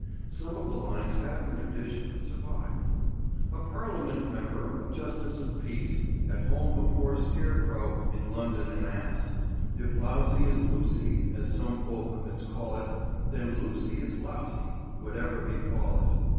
Some of the lines have, in tradition, survived— "A Parliament member, a Justice of Peace, At home a poor scarecrow, in London an Ass, If lousy is Lucy, as some folk miscall it, Then Lucy is lousy, whatever befall it.